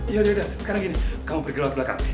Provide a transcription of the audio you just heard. ya udah sekarang gini kamu pergi lewat belakang